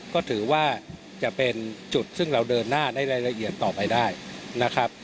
ก็ถือว่าจะเป็นจุดซึ่งเราเดินหน้าในรายละเอียดต่อไปได้นะครับ